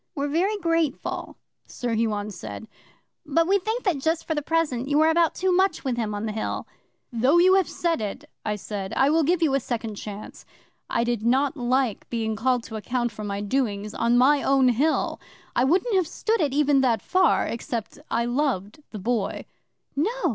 '"We're very grateful," Sir Huon said, "but we think that just for the present you are about too much with him on the Hill." '"Though you have said it," I said, "I will give you a second chance." I did not like being called to account for my doings on my own Hill. I wouldn't have stood it even that far except I loved the Boy. '"No!